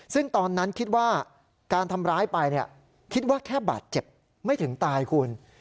ซึ่งตอนนั้นคิดว่าการทำร้ายไปคิดว่าแค่บาดเจ็บไม่ถึงตายคุณ